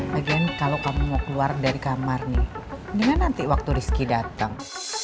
lagian kalau kamu mau keluar dari kamar nih mendingan nanti waktu rizky dateng